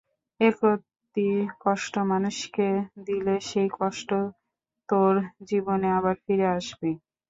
একরত্তি কষ্ট মানুষকে দিলে সেই কষ্ট তোর জীবনে আবার ফিরে আসবেই।